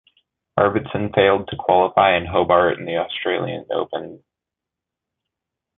Arvidsson failed to qualify in Hobart and the Australian Open.